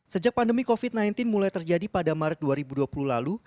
sejak pandemi covid sembilan belas mulai terjadi pada maret dua ribu dua puluh lalu